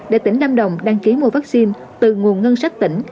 để tỉnh lâm đồng đăng ký mua vaccine từ nguồn ngân sách tỉnh